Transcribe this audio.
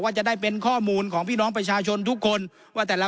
จะได้เป็นข้อมูลของพี่น้องประชาชนทุกคนว่าแต่ละ